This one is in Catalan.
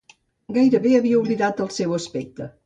Gairebé havia oblidat el seu aspecte.